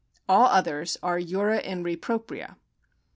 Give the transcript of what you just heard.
All others are jura in re propria.